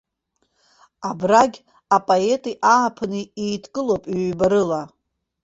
Абрагь апоети ааԥыни еидкылоуп ҩба рыла.